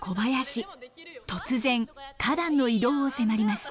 突然花壇の移動を迫ります。